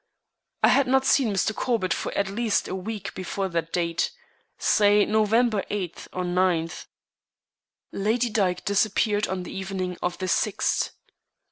"I had not seen Mr. Corbett for at least a week before that date say November 8th or 9th." Lady Dyke disappeared on the evening of the 6th!